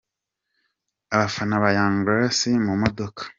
Abafana ba Young Grace mu modoka.